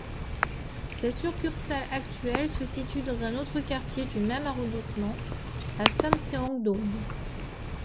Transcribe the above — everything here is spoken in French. Sa succursale actuelle se situe dans un autre quartier du même arrondissement, à Samseong-dong.